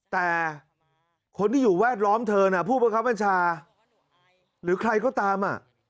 แต่คนที่อยู่แวดล้อมเธอน่ะผู้ประคับบัญชาหรือใครก็ตาม